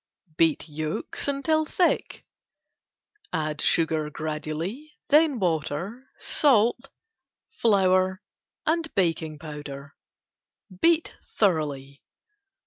Beat yolks until thick. Add sugar gradually, then water, salt, flour and baking powder. Beat thoroughly.